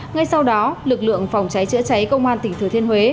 ngay sau đó lực lượng phòng cháy chữa cháy công an tỉnh thừa thiên huế